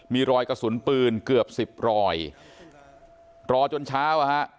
มีรอยกระสุนปืนเกือบสิบรอยรอจนเช้าอ่ะฮะ